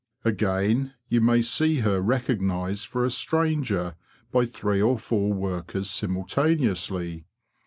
Again, you may see her recognised for a stranger by three or four workers simultaneously.